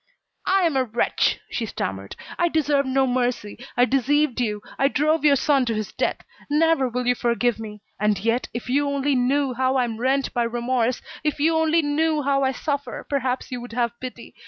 "I am a wretch," she stammered, "I deserve no mercy. I deceived you, I drove your son to his death. Never will you forgive me. And yet, if you only knew how I am rent by remorse, if you only knew how I suffer, perhaps you would have pity.